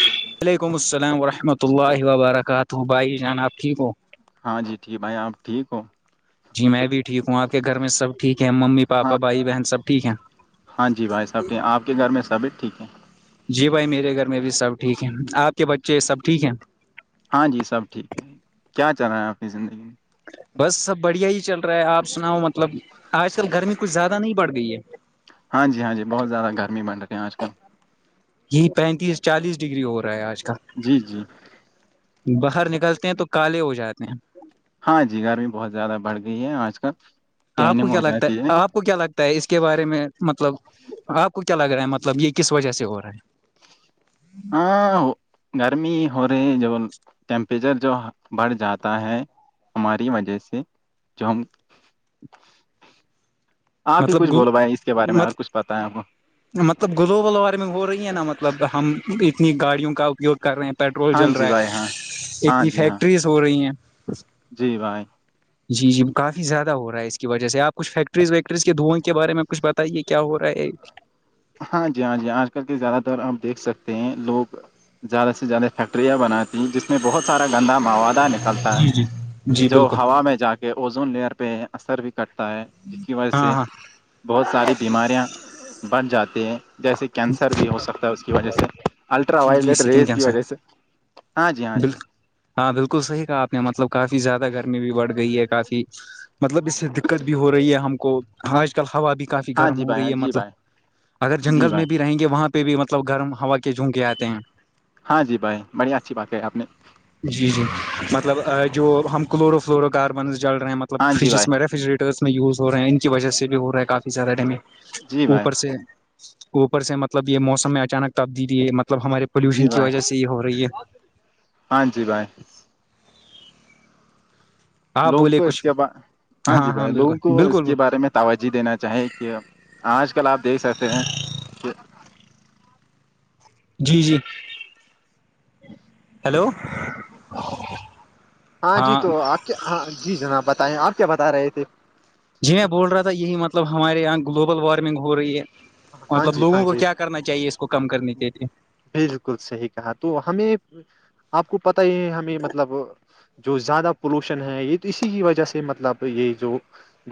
ج [inaudible] وعلیکم السلام ورحمۃ اللہ وبرکاتہ بھائی جناب ٹھیک ہو ہاں جی ٹھیک بھائی آپ ٹھیک ہو جی میں بھی ٹھیک ہوں آ کے گھر میں سب ٹھیک ہے ممی پاپا ہاں بھائی بہن سب ٹھیک ہے ہاں جی بھائی صاحب کے آپ کے گھر میں سبید ٹھیک ہے جی بھائی میرے گھر میں بھی سب ٹھیک ہیں آپ کے بچے سب ٹھیک ہیں ہاں جی سب ٹھیک ہے کیا چل رہا ہے اپنی زندگی میں بس سب بڑھیا ہی چل رہا ہے آپ سناؤ مطلب آج کل گرمی کچھ زیادہ نہیں پڑ گئی ہے ہاں جی ہاں ج بہت زیادہ گرمی بن رہی آج کل یہی پینتیس چالیس ڈگری ہو رہا ہے آج کل جی جی باہر نکلتے ہیں تو کالے ہو جاتے ہیں ہاں جی گرمی بہت زیادہ بڑھ گئی ہے آج کل آپو ٹیننگ کیا ہو ل آگتا ہے جاتی آپ آپ کو کیا لگتا ہے اس کے بارے میں مطلب آپ کو کیا لگ رہا ہے مطلب یہ کس وجہ سے ہو رہا ہے ہاں گرمی ہو رہے جو ٹیمپریچر جو بڑھ جاتا ہے ہماری وجہ سے جم آپ ہی مطلب کچھ مطلب بولوائیں اس کے بارے میں اور کچھ پتائ ہے وہ مطلب گلوبل وارمنگ ہو رہی ہے نا مطلب ہم اتنی گاڑیوں کا اپیوگ کر رہے ہیں پیٹرول ہاں جل جی رہا بھائی ہاں ہے ہاں اتنی جی ہاں فیکٹریز ہو رہی ہیں جی بھائی جی جی کافی زیادہ ہو رہا ہے اس کی وجہ سے آپ کچھ فیکٹریز ویکٹریز کے دھوئیں کے بارے میں کچھ بتائیے کیا ہو رہا ہے ہاں جی ہاں جی آج کل کے زیادہ تر آپ دیکھ سکتے ہیں لوگ زیادہ سے زیادہ فیکٹریاں بناتی ہیں جس میں بہت سارا گندا موادہ ن چلتا ہے جی جی جی جو بالکل ہوا میں جا کے کہ اوزون لیئر پہ اثر بھی کٹتا ہے جس کی وجہ ہاں سے ہاں بہت ساری بیماریاں بچھ جاتی ہیں جیسے کینسر بھی ہو سکتا ہے اس کی وجہ سے الٹرا جی جی ویلیٹ سکن ریز کی کینسر وجہ سے ہاں جی ہاں جی بالکل ہاں بالکل صحیح کہا آپ نے مطلب کافی زیادہ گرمی بھی بڑھ گئی ہے کافی مطلب اس سے دقت بھی ہو رہی ہے ہم کو آج کل ہوا بھی کافی ہاں گرم جی ہو بھائی ہاں رہی ہے جی مطلب بھائی اگر جی جنگل میں بھائی بھی رہیں گے وہاں پہ بھی مطلب گرم ہوا کے جھونکے آتے ہیں ہاں جی بھائی بڑی اچھی بات ہے آپ نے جی جی مطلب جو ہم کلورو فلورو کاربنز جل رہے ہیں مطب ہاں مطل جی فریجز بھائی میں ریفریجریٹر میں یوز ہو رہے ہیں ان کی وجہ سے بھی ہو رہا ہے کافی زیادہ ڈیمیج جی بھائی اوپر سے اوپر سے مطلب یہ موسم میں اچانک تبدیلی ہے مطلب ہمارے جی پولوشن کی بھائی وجہ سے یہ ہو رہی ہے ہاں جی بائے آپ لوگوں بولے کو اس کچھ کے ب ہاں جی بھائی لوگوں کو اس کے بارے میں توجہ دینا چاہیے کہ آج کل آپ دیکھ سکتے ہیں کہ جی جی ہیلو ہاں جی تو آپ کیا ہاں جی جناب بتائیں آپ کیا بتا رہے تھے جی میں بول رہا تھا یہی مطلب ہمارے یہاں گلوبل وارمنگ ہو رہی ہے ہاں مطلب جی ہاں لوگوں کو جی کیا کرنا چاہیے اس کو کم کرنی چاہیے بالکل صحیح کہا تو ہمیں آپ کو پت ہی ہے ہمیں مطلب جو زیادہ پولوشن ہے یہ تو اسی کی وجہ سے مطلب یہ جو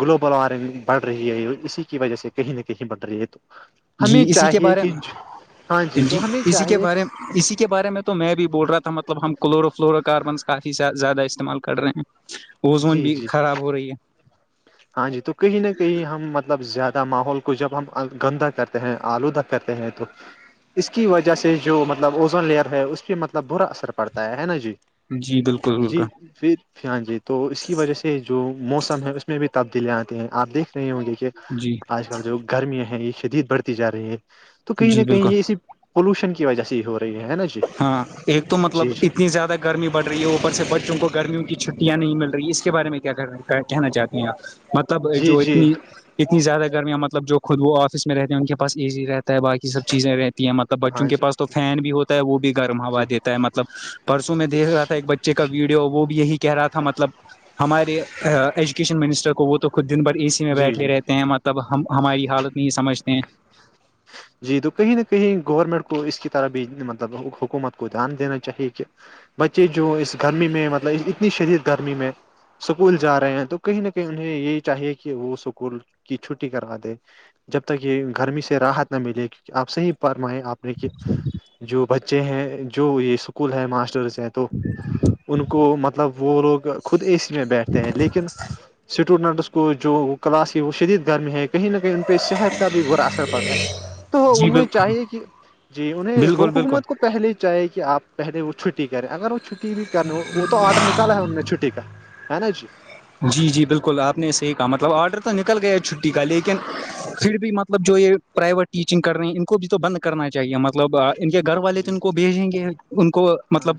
گلوبل وارمنگ بڑھ رہی ہے اسی کی وجہ سے کہیں نہ کہیں بڑھ رہی ہے تو جی ہمیں اسی کے چاہیے بارے کہ ہاں میں جی تو ہمیں اسی کے چاہیے بارے میں اسی کے بارے میں تو میں بھی بول رہا تھا مطلب ہم کلورو فلورو کاربنس کافی زیادہ استعمال کر رہے ہیں اوزون جی بھی جی خراب ہو رہی ہے ہاں جی تو کہیں نہ کہیں ہم مطلب زیادہ ماحول کو جب ہم گندا کرتے ہیں آلودہ کرتے ہیں تو اس کی وجہ سے جو مطلب اوزن لیئر ہے اس پہ مطلب برا اثر پڑتا ہے نا جی ہے جی بالکل بالکل جی پھر ہاں جی تو اس کی وجہ سے جو موسم ہے میں بھی تبدیلیاں آتی ہیںپ دیکھ رہے ہوں گے کہ جی آج کل جو گرمیاں ہیں یہ شدید بڑھتی جا رہی ہے تو کہیں جی نہ کہیں بالکل یہ اسی پولوشن کی وجہ سے ہی ہو رہی ہے نا جی ہاں ایک تو مطلب جی جی اتنی زیادہ گرمی بڑ رہی ہے اوپر سے بچوں کو گرمیوں کی چھٹیاں نہیں مل رہی اس کے بارے میں کیا کہنا چاہتی ہیں آپ مطلب جی جو جی اتنی اتنی زیادہ گرمیاں مطلب جو خود وہ آفس میں رہتے ہیں ان کے پاس ایزی رہتے تا باقی سب چیزیں رہتی ہیں مطلب ہاں بچوں کے جی پاس تو فین بھی ہوتا ہے وہ بھی گرم جی ہوا دیتا مطلب پرسوں میں دیکھ رہا تھا ایک بچے کا ویڈیو وہ بھی یہی کہہ رہا تھا مطلب ہمارے ایجوکیش مسٹر کو وہ تو خود د بھر اس جی بیٹھے جی رہتے ہیں مطلب ہم ہماری حالت نہیں سمجھتے ہیں [unintelligible] [inaudible] جی تو کہیں نہ کہیں گورنمنٹ کو اس کی طرح بھی مطلب حکومت کو دھیان دینا چاہیے کہ بچے جو اس گرمی میں مطلب اتنی شدید گرمی میں اسکول جا رہے ہیں تو کہیں نہ کہیں انہیں یہی چاہیے کہ وہ اسکول کی چھٹی کروا دے جب تک یہ گرمی سے راحت نہ ملے کیکہ آپ صحیح پرمیں آپ نے کہ جو بچے ہیں جو یہ اسکول ہے ماسٹرس تو ان کو مطلب وہ لوگ خود اے سی میں بیٹھتے ہیں لیکن اسٹوڈنٹس کو جو کلاس ہے وہ شدید گرمی ہے کہیں نہ کہیں ان پہ صحت کا را اثر پڑتا ہے تو جی ان کو یہ بالکل چاہیے کہ جی انہیں گ بالکل بالکل حکومت کو پہلے ہی چاہے کہ آپ پہلے وہ چھٹی کریں اگر وہ چھٹی بھی کرنے وہ تو آرڈر نکالا ہے ان نے چھٹی کا ہے نا جی [unintelligible] [inaudible] جی جی بالکل آپ نے صے ہی کہا مطلب آرڈر تو نکل گیا ہے چھٹی کا لیکن پھر بھی مطلب جو یہ پرائیوی ٹیچنگ کر رہ ہیں ان کو بھی تو بند کرنا چاہیے ہمارے مطلب ان کے گھر والے تو جی ان کو بھیجیں گے ان کو ہاں مطلب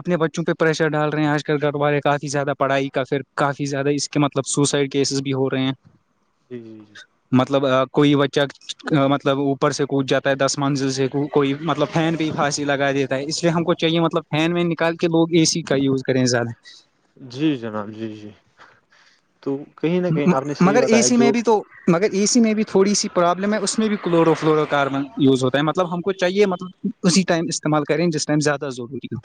اپنے بچوں پہ پریشر ڈال رہے ہیں آج کل کابارے کافی زیادہ پڑھائی کا پھر کافی زیادہ اس کے مطلب سوسائڈ کیسز بھی ہو رہے ہیں جی جی جی مطلب کوئی بچہ مطلب اوپر سے کود جاتا ہے دس منزل سے کوئی مطلب فین پہ ہی پھانسی لگا دیتا ہے اس ہم کو چاہیے مطلب فین وین نکال کے لوگ اے سی کا یوز کریں زیادہ جی جناب جی جی تو کہیں نہ کہیں آپ نے صحیح مگر اے بتایا سی میں جو بھی تو مگر اے سی میں بھی تھوڑی سی پرابلم ہے اس میں بھی کلورو فلورو کاربن یوز ہوتا ہے مطلب ہم کو چاہیے مطلب اسی ٹائم استعمال کریں جس ٹائم زیادہ ضروری ہو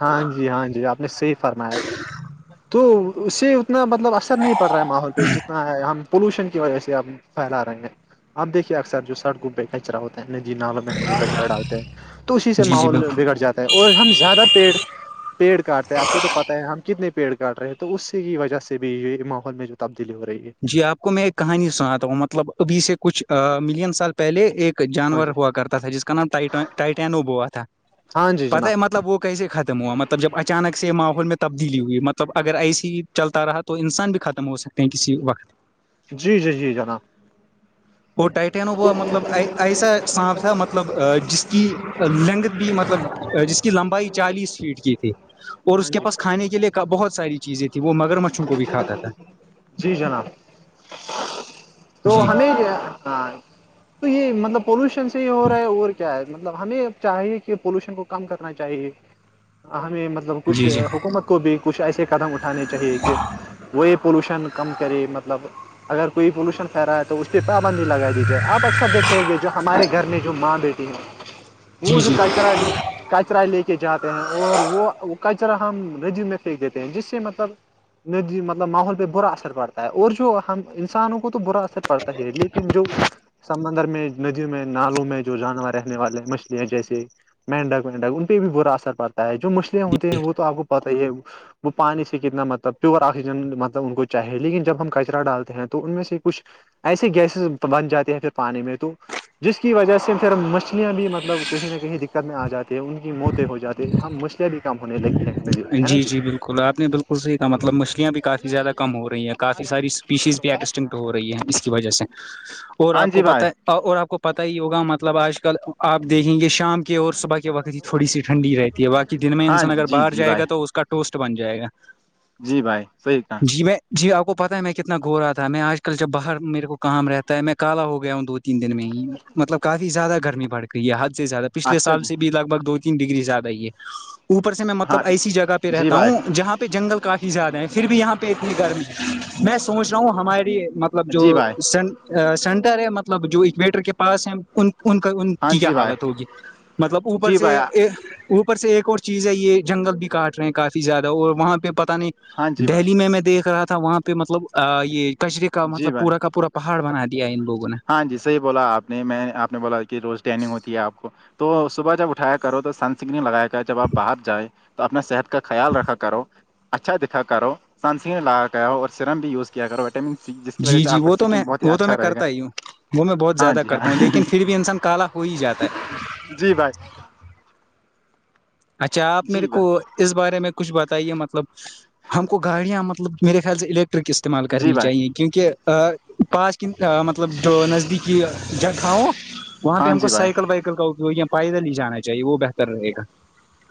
ہاں جی ہاں جی آپ نے صحیح فرمایا تو اس سے اتنا مطلب اثر نہیں پڑ رہا ہے ماحول پہ جتنا ہم پولوشن کی وجہ سے اب پھیلا رہے ہیں آپ دیکھیے اکثر جو سڑک گب کچرا ہوتا ہے ن جی نالوں میں ہم جو کچرا ڈالتے ہیں تو اسی سے جی جی بال ماحول بگڑ جاتا ہے اور ہم زیادہ پیڑ پیڑ کاٹتے ہیں آپ کو تو پتاہ ہے ہم کتنے پیڑ کاٹ رہے ہیں تو اس کی وجہ سے بھی یہ ماحول میں جو تبدیلی ہو رہی ہے جی آپ کو میں ایک کہانی سناتا ہوں مطلب ابھی سے کچھ ملین سال پہلے ایک ہاں جانور جی ہوا کرتا تھا جس کا نام ٹائٹینو ب ہوا تھا ہاں جی پتہ جناب مطلب وہ کیسے ختم ہوا مطلب جب اچانک سے ماحول میں تبدیلی ہوئی مطلب اگر ایسسی ہی چلتا رہا تو تو انسان بھی ختم ہو سکتے ہیں کسی وقت جی جی جی جناب وہ ٹائٹینو ہوا مطلب ایسا سانپ تھا مطلب جس کی لینگتھ بھی مطلب جس کی لمبائی چالیس فیٹ کی تھی اور ہاں اس کے جی پاس کھانے کے لیے بہت ساری چیزیں تھی وہ مگر مچھوں کو بھی کھاتا تھا جی جناب تو جی ہمیں ہاں تو یہ مطلب پولوشن سے ہی ہو رہا ہے اور کیا ہے مطلب ہمیں چاہیے کہ کہ پولوشن کو کم کرنا چاہیے ہمیں مطلب کچھ جی جی حکومت کو بھی کچھ ایسے قدم اٹھانے چاہیے کہ وہی پولوشن کم کرے مطلب اگر کوئی پولوشن پھی رہا ہے تو اس پہ پابندی لگا دی جائے آپ اکثر دیکھتے ہ گے جو ہمارے گھر میں جو ماں بیٹی ہیں جی وہ جو کچرا کچرا لے کے جاتے ہیں اور وہ وہ کچرا ہم رجو میں پھینک دیتے ہیں جس سے مطلب ی مطلب ماحول پہ برا اثر پڑتا ہے اور جو ہم انسانوں کو تو برا اثر پڑتا ہی ہے لیکن جو سمندر میں ندیوں میں نالوں میں جو جانور رہنے والے مچھل ہیں جیسے مینڈک مینڈک ان پہ بھی برا اثر پڑتا ہے جو مچھلں ہوتے ہیں وہ تو آپ کو پتا ہی ہے وہ پانی سے کتنا مطلب پیور آکسیجن مطلب ان کو چاہیے لیکن جب ہم کچرا ڈالتے ہیں تو ان میں سے کچھ ایسے گیسز بن جاتے ہیں پھر پانی میں تو جس کی وجہ سے پھر مچھلیاں بھی مطلب کہیں نہ کہیں دکھ کر میں آ جاتے ہیں ان کی موتیں ہو جاتی ہیں ہم مسئلیں بھی کم ہونے لگی ہیں جی جی بالکل آپ نے بالکل صحی کہا مطلب مچھلیاں بھی کافی زیادہ کم ہو رہی ہیں کافی ساری پیشیز بھی ایکسٹنٹ ہو رہی ہے اس کی وجہ سے اور ہاں آپ کو جی پتا بھائی ہے اور آپ کو پت ہی ہوگا مطلب آج کل آپ دیکھیں گے شام کے اور صبح کے وت ہی تھوی سی ٹھنڈی رہتی ہے بقی دن میں ہاں انسان اگر جی باہر جی جائے بھائی گا تو اس کا ٹوسٹ بن جائے گا جی بھائی صحیح کہاں جی میں جی آپ کو پتتا ہے میں کتنا گو رہا تھا میں آج کل جب باہر میرے کو کام رہتا ہے میں کالا ہو گیا ہوں دھ تین دن میں ہی مطلب کافی زیادہ گرمی بڑ گئی ہے حد سے زیادہ پچھے اچھا سال جی سے بھی لگ بگ دو ڈگری زیادہ یہ اوپر سے میں ہاں مطلب ایسی جگہ پہ جی رہتا بھائی ہوں جہاں پہ جنگل کافی زیادہ ہے پھر بھی یہاں پہ اتنی گرمی ہے میں سوچ رہا ہوں ہماری مطلب جو جی بھائی سین سینٹر ہے مطلب جو اکویٹر کے پاس ہے ان ان کا ان ہاں کی کیا جی بھائی حالت ہوگی مطلب اوپر جی سے بھائی اوپر سے ایک اور چیز ہے یہ جنگل بھی کاٹ رہے ہیں کافی زیادہ اور وہاں پہ پتہ ہاں نہیں جی بھائی دہلی میں میں دیکھ رہا تھا وہاںہ پہ مطلب یہ کچرے کا جی مطلب بھائی پورا کا پورا پہاڑ بنا دیا ہے ان لوگوں نے ہاں جی صحیح بولا آپ نے میں آپ نے بولا کہ روز ٹرینگ ہوتی ہے آپ کو تو صبح جب اٹھایا کرو تو سن سکرین لگایا کر جب آپ باہر جائیں تو اپنا صحت کا خیال رکھا کرو اچھا دکھا کرو سنسیین لا گ اور سرم بھی یوز کیا کرو وٹامن سی جس کی وجہ جی سے آ جی کا وہ تو میں سکن بہت ہی وہ تو میں اچھا رہےا کرتا ہی ہوں وہ میں بہت زیادہ کرتا ہوں لیکن پھر بھی انسان کالا ہو ہی جاتا ہے جی بھائی اچھا آپ میرے جی کو بھائی اس بارے میں کچھ بتائیے مطلب ہم کو گاڑیاں مطلب میرے خیال سے الیکٹرک استعمال جی کرنی بھائی چاہیے کیونکہ پاسٹ مطلب جو نزدیکی جگہ ہو وہاں پہ ہاں ہم کو جی بھائی سائیکل وائیکل کا اپوگ ہے پائیدہ نہیں جانا چاہیے وہ بہتر رہےا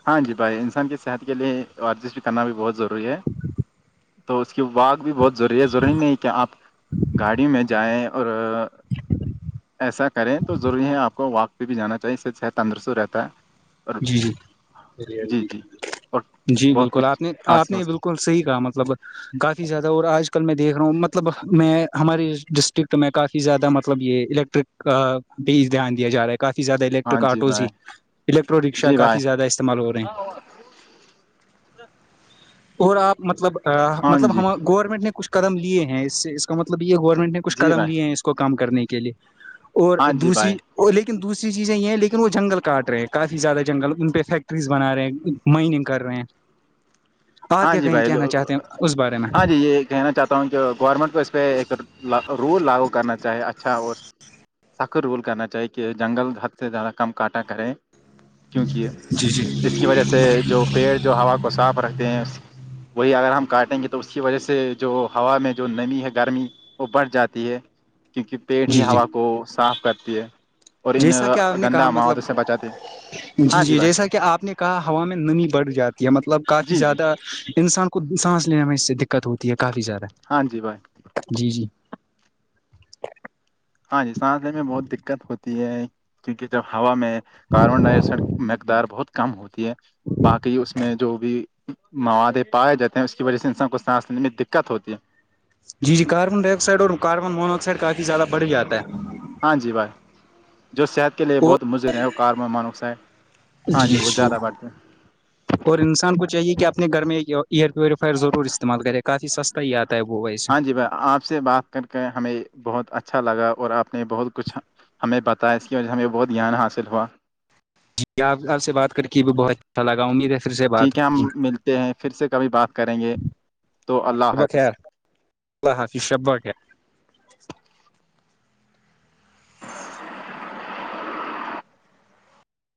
ہاں جی بھائی انسان کی صحت کے لیے ورجسٹ بھی کرنا بھی بہت ضروری ہے تو اس کی واگ بھی بہت ضروری ہے ضروری نہیں ہے کہ آپ گاڑی میں جائیں اور ایسا کریں تو ضروری ہے آپ کو واک پہ بھی جانا چاہیے ص صحت تندرست رہتا ہے اور جی جی جی جی اور جی بہت بالکل کچھ آپ نے ہاں آپ نے بالکل بالکل صحی کا مطلب کافی زیادہ اور آج کل میں دیکھ رہا ہوں مطلب میں ہماری ڈسٹرکٹ میں کافی زیادہ مطلب یہ الیکٹ الک بھی دھیان دیا جا رہا ہے کافی زیادہ ہاں الیکٹرک جی آٹوز ہی بھائی آو رکشا جی کافی بھائی زیادہ استعمال ہو رہے ہیں اور آپ مطلب ہاں مطلب جی ہم گورنمنٹ نے کچھ قدم لیے ہیں اس سے اس کا مطلب یہ گورنمنٹ نے کچھ جی قدم بھائی لیے ہیں اس کو کام کرنے کے لیے اور ہاں جی دوسری بھائی لیکن دوسری چیزیں یہ ہیں لیکن وہ جنگل کاٹ رہے ہیں کافی زیادہ جنگل ان پہ فیکٹریز بنا رہے ہیں مائننگ کر رہے ہیں آپ ہاں کیا جی کہیں بھائیو کہنا چاہتے ہیں اس بارے میں ہاں جی یہ کہنا چاہتا توونکہ گورنمنٹ کو اس پہ ایک رول لاگو کرنا چاہے اچھا اور سخر رول کرنا چاہیے کہ جنگل حد سے زیادہ کم کٹا کریں کیونکہ جی جی اس کی وجہ سے جو پیڑ جو ہوا کو صاف رکھتے ہیں وہی اگر ہم کاٹیں گے تو اس کی وجہ سے جو ہوا میں جو نمی ہے گرمی وہ بڑھ جاتی ہے کیونکہ پیڑ ہی جی جی ہوا کو صاف کرتی ہے اور ان جیسا کہ آپ نے کہا گندا مطلب مواد سے بچاتے ہیں ہاں جی جی جیسا بھائی کہ آپ نے کا ہوا میں ننی بڑھ جاتی ہے مطلب کافی جی جی زیادہ انسان کو سانس لینے میں اس سے دقت ہوتی ہے کافی زیادہ ہاں جی بھائی جی جی ہاں جی سانسنے میں بہت دقت ہوتی ہے کیونکہ جب ہوا میں کاربن ڈائی آکسائڈ مقدار بہت کم ہوتی ہے باقی اس میں جو بھی موادے پائےائے جاتے ہیں اس کی وجہ سے انسان کو سانس لینے میں دقت ہوتی ہے جی جی کاربن ڈائی آکسائڈ اور کاربن مو آکسائڈ کافی زیادہ بڑھاتا ہے ہاں جی بھائی جو صحت کے لیے وہ بہت مضر ہیں اور کارم مانوک سائے ہاں جی وہت زیادہ بڑھتے ہیں اور انسان کو چاہیے کہ اپنے گھر میں ایئر پیوریفائر ضرور استعمال کرے کافی سستا ہی آتا ہے وہ ویسے ہاں جی آپ سے بات کر کے ہمیں بہت اچھا لگا اور آپ نے بہت کچھ ہمیں بتایا اس کی وجہ ہمیں بہت گیان حاصل ہوا جی آپ آپ سے بات کر کے بھی بہت اچھا لگا امید ہے پھر سے بات ٹھیک ہے ہم ملتے ہیں پھر سے کبھی بات کریں گے تو اللہ ہو شبہ خیر حافظ اللہ ہاں سی شب بق ہے